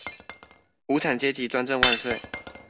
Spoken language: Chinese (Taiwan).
無產階級專政萬歲！